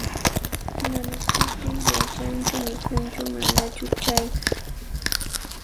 Manas pipis yachanchu mikhunchus manachus chayta